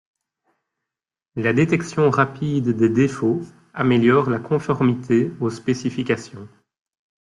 La détection rapide des défauts améliore la conformité aux spécifications.